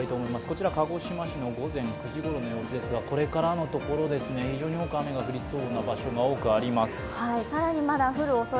こちら、鹿児島市の午前９時ごろの様子ですがこれからのところですね、非常に多く雨が降りそうな場所があります。